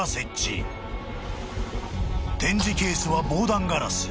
［展示ケースは防弾ガラス］